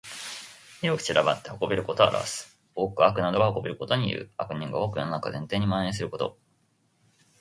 広く散らばってはびこることを表す。多く悪などがはびこることにいう。悪人が多く世の中全体に蔓延ること。